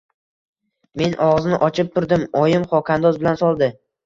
Men og‘zini ochib turdim, oyim xokandoz bilan soldi.